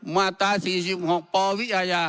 มาตรา๔๖ปวิอาญา